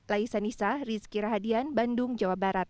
lai sanisa rizky rahadian bandung jawa barat